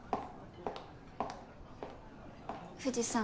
藤さん